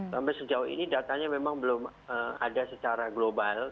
sampai sejauh ini datanya memang belum ada secara global